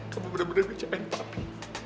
kamu benar benar menjadi ayah papi